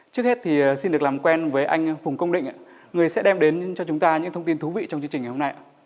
trước hết thì xin được làm quen với anh phùng công định người sẽ đem đến cho chúng ta những thông tin thú vị trong chương trình ngày hôm nay ạ